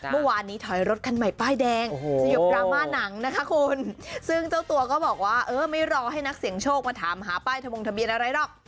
เมื่อวานนี้ถอยรถคันใหม่ป้ายแดงสยบดราม่าหนังนะคะคุณซึ่งเจ้าตัวก็บอกว่าเออไม่รอให้นักเสียงโชคมาถามหาป้ายทะมงทะเบียนอะไรหรอก